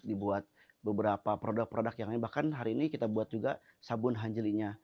dibuat beberapa produk produk yang lainnya bahkan hari ini kita buat juga sabun hanjelinya